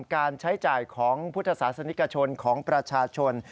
การใช้จ่ายของพุทธศาสนิกชนของประชาชน